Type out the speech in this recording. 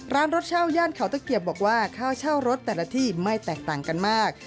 ร้านรถเช่าย่านเขาตะเกียบบอกว่าค่าเช่ารถแต่ละที่ไม่แตกต่างกันมาก